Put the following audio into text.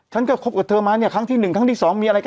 ฉันก็คบกับเธอมาเนี่ยครั้งที่๑ครั้งที่สองมีอะไรกัน